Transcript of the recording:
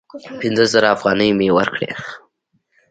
پینځه زره افغانۍ مي ورکړې !